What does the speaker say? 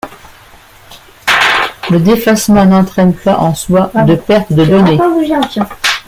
Le défacement n'entraîne pas en soi de perte de données.